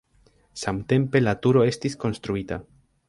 Samtempe la turo estis konstruita.